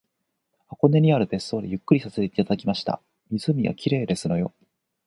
箱根にある別荘でゆっくりさせていただきました。湖が綺麗ですのよ